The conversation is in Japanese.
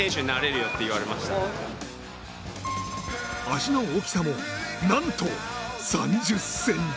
足の大きさも、何と３０ｃｍ。